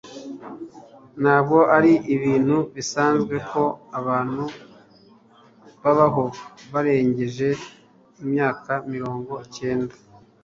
ntabwo ari ibintu bisanzwe ko abantu babaho barengeje imyaka mirongo cyenda